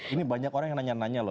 ini banyak orang yang nanya nanya loh